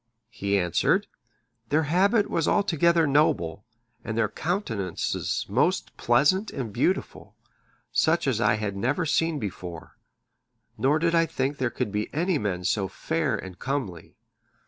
He answered, "Their habit was altogether noble, and their countenances most pleasant and beautiful, such as I had never seen before, nor did I think there could be any men so fair and comely.